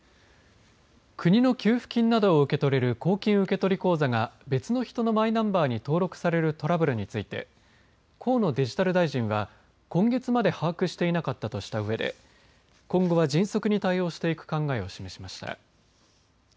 国の給付金などを受け取れる公金受取口座が別の人のマイナンバーに登録されるトラブルについて河野デジタル大臣は今月まで把握していなかったとしたうえで今後は迅速に対応していく考えを示しました。